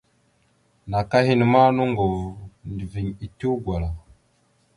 Naka henne ma noŋgov nendəviŋ etew gwala.